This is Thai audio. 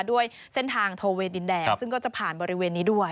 ด้วยเส้นทางโทเวดินแดงซึ่งก็จะผ่านบริเวณนี้ด้วย